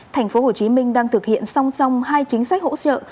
thành phố hồ chí minh đang thực hiện song song hai chính sách hỗ trợ